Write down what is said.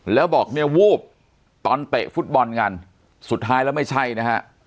แล้วบอกเนี่ยวูบตอนเตะฟุตบอลกันสุดท้ายแล้วไม่ใช่นะฮะ